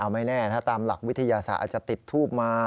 ไม่แน่ถ้าตามหลักวิทยาศาสตร์อาจจะติดทูบมา